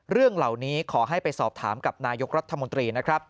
เรื่องเหล่านี้ขอให้ไปสอบถามกับนายกรัฐมนตรีนะครับ